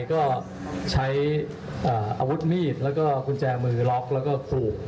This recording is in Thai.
ก็ใช้อาวุธมีดแล้วก็กุญแจมือล็อกแล้วก็ผูก